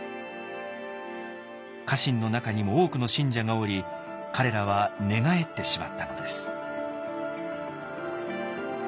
家臣の中にも多くの信者がおり彼らは寝返ってしまったのです。